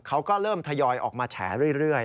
เขาก็เริ่มทยอยออกมาแฉเรื่อย